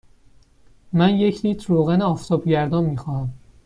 من یک لیتر روغن آفتابگردان می خواهم.